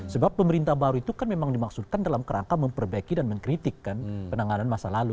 sebab pemerintah baru itu kan memang dimaksudkan dalam kerangka memperbaiki dan mengkritik kan penanganan masa lalu